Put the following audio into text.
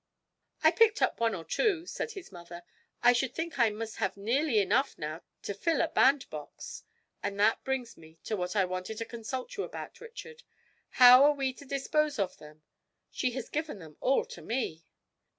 'I picked up one or two,' said his mother; 'I should think I must have nearly enough now to fill a bandbox. And that brings me to what I wanted to consult you about, Richard. How are we to dispose of them? She has given them all to me.'